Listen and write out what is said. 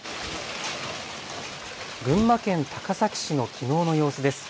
群馬県高崎市のきのうの様子です。